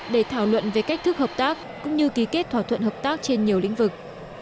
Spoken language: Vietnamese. để thảo luận về cách thức hợp tác cũng như ký kết thỏa thuận hợp tác trên nhiều lĩnh vực